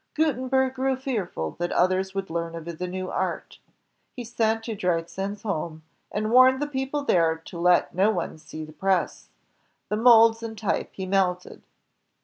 Gutenberg grew fearful that others would learn of the new art. He sent to Dritzehen's home, and warned the people there to let no one see the press. The molds and type he melted.